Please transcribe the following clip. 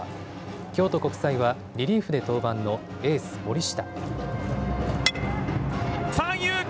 京都国際はリリーフで登板のエース、森下。